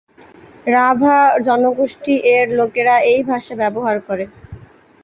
রাভা জনগোষ্ঠী-এর লোকেরা এই ভাষা ব্যবহার করে।